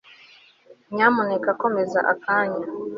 Nyamuneka komeza akanya